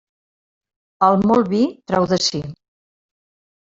El molt vi trau de si.